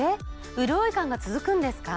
うるおい感が続くんですか？